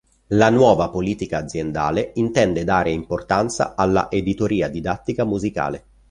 La nuova politica aziendale intende dare importanza alla editoria didattica musicale.